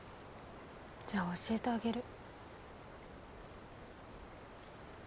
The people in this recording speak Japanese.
じゃあ教えてあげる。